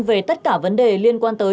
về tất cả vấn đề liên quan tới